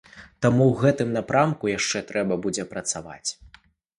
Таму ў гэтым напрамку яшчэ трэба будзе працаваць.